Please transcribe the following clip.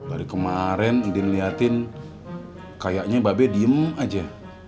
dari kemarin ibu liatin kayaknya mbak be diem aja